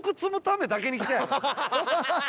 ハハハハ！